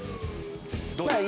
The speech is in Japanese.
どうですか？